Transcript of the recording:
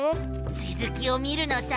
つづきを見るのさ！